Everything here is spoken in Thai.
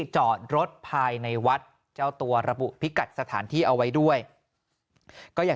จอดรถภายในวัดเจ้าตัวระบุพิกัดสถานที่เอาไว้ด้วยก็อย่าง